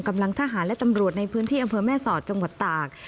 กำลังทหารและตำรวจในพื้นที่อำเภอแม่สอดจังหวัดตาก